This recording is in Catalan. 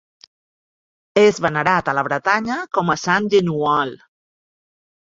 És venerat a la Bretanya com a Sant Denoual.